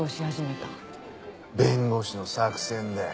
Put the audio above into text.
弁護士の作戦だよ。